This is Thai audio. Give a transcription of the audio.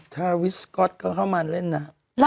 ชาวิทย์เอดิลสกอร์ตเข้ามาเล่นอะ